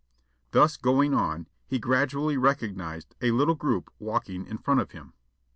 Thus going on, he gradually recognised a little group walking in front of him.